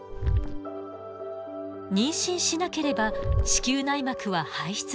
妊娠しなければ子宮内膜は排出されます。